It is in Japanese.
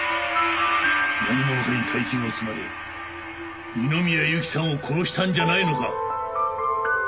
何者かに大金を積まれ二宮ゆきさんを殺したんじゃないのか？